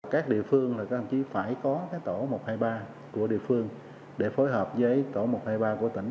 các địa phương phải có tổ một trăm hai mươi ba của địa phương để phối hợp với tổ một trăm hai mươi ba của tỉnh